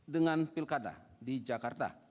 dengan pilkada di jakarta